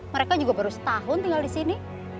mereka juga baru setahun tinggal disini